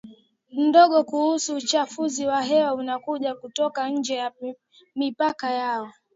mdogo kuhusu uchafuzi wa hewa unaokuja kutoka nje ya mipaka yao